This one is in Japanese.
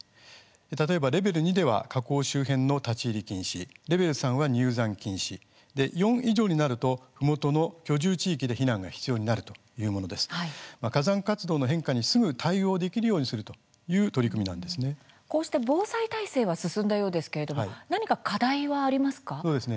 例えばレベル２では火口周辺の立ち入り禁止レベル３は入山規制そして４以上になるとふもとの居住地域で避難が必要になるというもので火山活動の変化にすぐ対応できるようにするという防災体制は進んだようですが何か課題はありますか。